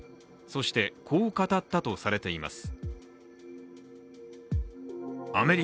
そして、こう語ったとされています。